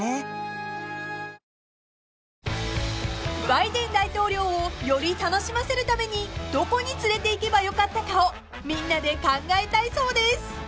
［バイデン大統領をより楽しませるためにどこに連れていけばよかったかをみんなで考えたいそうです］